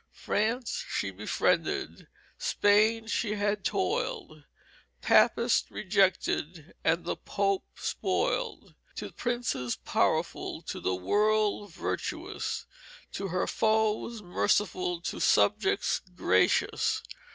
France she befriended, Spain she had toiled, Papists rejected, and the Pope spoiled. To Princes powerful, to the World vertuous, To her Foes merciful, to subjects gracious.